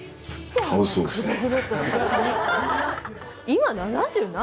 今７７？